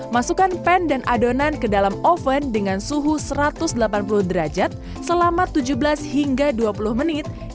masukkan pan dan adonan ke dalam oven dengan suhu satu ratus delapan puluh derajat selama tujuh belas hingga dua puluh menit